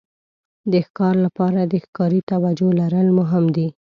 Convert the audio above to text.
د ښکار لپاره د ښکاري توجو لرل مهم دي.